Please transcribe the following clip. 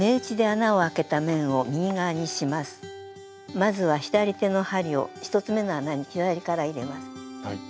まずは左手の針を１つめの穴に左から入れます。